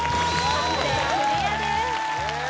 判定はクリアです